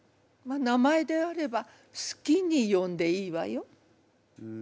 名前であれば好きに呼んでいいわよ。